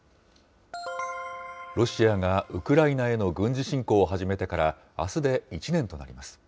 ロシアがウクライナへの軍事侵攻を始めてから、あすで１年となります。